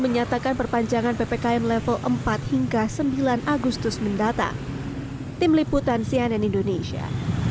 menyatakan perpanjangan ppkm level empat hingga sembilan agustus mendatang tim liputan cnn indonesia